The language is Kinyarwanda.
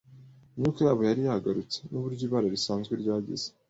imyuka yabo yari yagarutse nuburyo ibara risanzwe ryagize